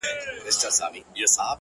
• او دا غزل مي ولیکل ,